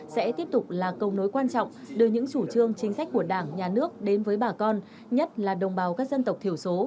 sẽ tiếp tục là câu nối quan trọng đưa những chủ trương chính sách của đảng nhà nước đến với bà con nhất là đồng bào các dân tộc thiểu số